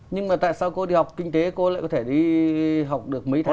nhưng mà tại sao cô đi học kinh tế cô lại có thể đi học được mấy tháng